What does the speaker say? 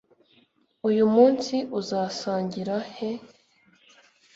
uyu munsi uzasangira he